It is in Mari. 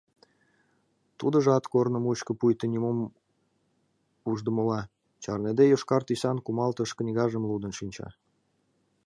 Тудыжат корно мучко пуйто нимом уждымыла, чарныде йошкар тӱсан кумалтыш книгажым лудын шинча.